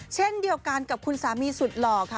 เช่นเดียวกันกับคุณสามีสุดหล่อค่ะ